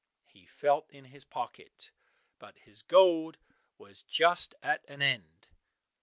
He felt in his pocket, but his gold was just at an end.